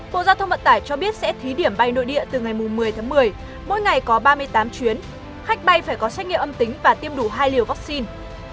bộ giao thông vận tải cho biết sẽ thí điểm bay nội địa từ ngày một mươi tháng một mươi mỗi ngày có ba mươi tám chuyến khách bay phải có xét nghiệm âm tính và tiêm đủ hai liều vaccine